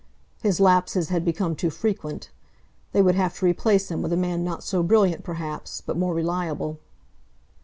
His lapses had become too frequent. They would have to replace him with a man not so brilliant, perhaps, but more reliable.